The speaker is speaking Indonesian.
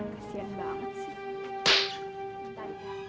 kasian banget sih